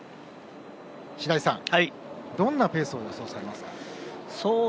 白井さん、どんなペースを予想されますか？